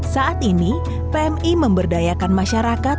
saat ini pmi memberdayakan masyarakat